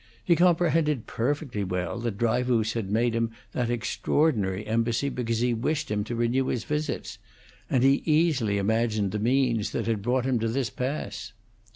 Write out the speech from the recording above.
He comprehended perfectly well that Dryfoos had made him that extraordinary embassy because he wished him to renew his visits, and he easily imagined the means that had brought him to this pass.